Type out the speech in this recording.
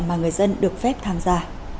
mà người dân được phép tham gia